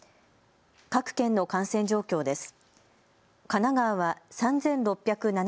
各県の感染状況です。